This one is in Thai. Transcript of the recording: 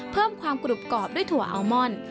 เพิ่มความกรุบกรอบด้วยถั่วอัลมอน